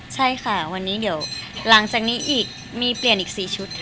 ใช่ค่ะวันนี้เดี๋ยวหลังจากนี้อีกมีเปลี่ยนอีก๔ชุดค่ะ